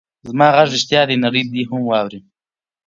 زما غږ رښتیا دی؛ نړۍ دې هم واوري.